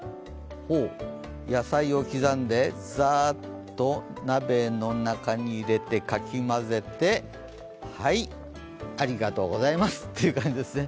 野菜を刻んで、ざーっと鍋の中に入れてかき混ぜてはい、ありがとうございますという感じですね。